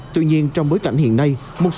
tuy nhiên trong bối cảnh hiện nay